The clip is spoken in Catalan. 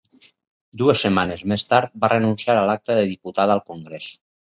Dues setmanes més tard, va renunciar a l'acta de diputat al Congrés.